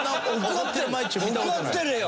怒ってるよ！